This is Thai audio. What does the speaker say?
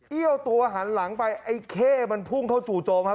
ี้ยวตัวหันหลังไปไอ้เข้มันพุ่งเข้าจู่โจมครับ